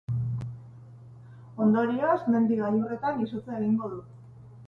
Ondorioz, mendi-gailurretan izotza egingo du.